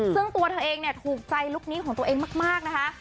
ซึ่งตัวเธอเองเนี่ยถูกใจลุคนี้ของตัวเองมากนะคะ